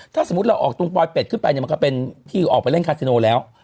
ถ้าสมมุติเราออกตรงปลอยเป็ดขึ้นไปเนี่ยมันก็เป็นที่ออกไปเล่นคาซิโนแล้ว